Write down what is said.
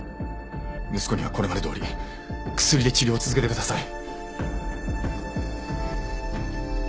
息子にはこれまでどおり薬で治療を続けてください。